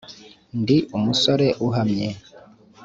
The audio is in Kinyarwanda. Ndi umusore uhamye